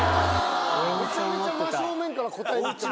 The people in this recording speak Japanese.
めちゃめちゃ真正面から答えにいってる。